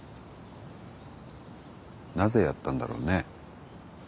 なぜやったんだろうね。